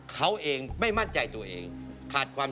คุณฟังผมแป๊บนึงนะครับ